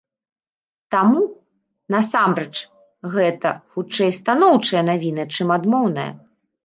Таму, насамрэч, гэта, хутчэй, станоўчая навіна, чым адмоўная.